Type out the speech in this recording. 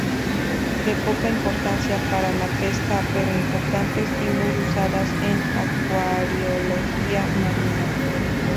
De poca importancia para la pesca, pero importantes y muy usados en acuariología marina.